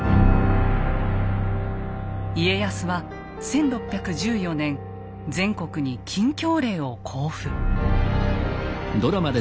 家康は１６１４年全国に「禁教令」を公布。